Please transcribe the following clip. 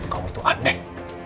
kamu tuh aneh